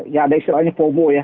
ya ada istilahnya fomo ya